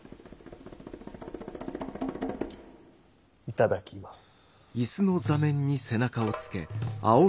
いただきます。